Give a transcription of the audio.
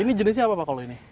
ini jenisnya apa pak kalau ini